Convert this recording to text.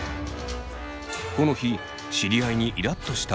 この日知り合いにイラっとした小高さん。